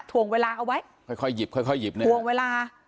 ถวงเวลาเอาไว้ค่อยหยิบถวงเวลา